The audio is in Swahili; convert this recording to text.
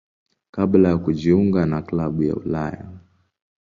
kabla ya kujiunga na klabu ya Ulaya.